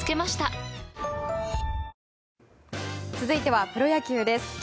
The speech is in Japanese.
続いてはプロ野球です。